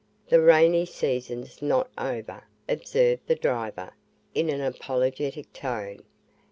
"The rainy season's not over," observed the driver, in an apologetic tone.